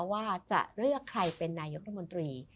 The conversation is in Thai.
ว่าจะเลือกใครเป็นนายกรัฐมนตรี